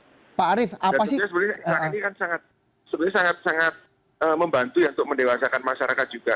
dan itu sebenarnya sangat membantu untuk mendewasakan masyarakat juga